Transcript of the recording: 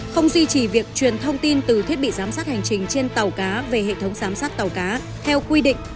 không duy trì việc truyền thông tin từ thiết bị giám sát hành trình trên tàu cá về hệ thống giám sát tàu cá theo quy định